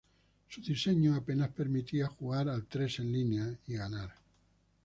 Su diseño apenas permitía jugar al tres en línea y ganar.